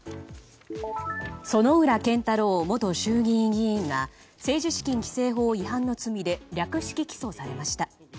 薗浦健太郎元衆議院議員が政治資金規正法違反の罪で略式起訴されました。